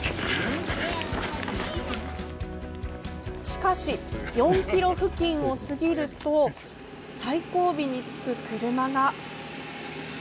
しかし４ｋｍ付近を過ぎると最後尾につく車が。